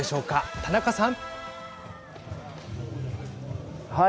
田中さん。